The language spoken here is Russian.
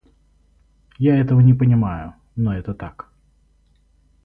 Я этого не понимаю, но это так.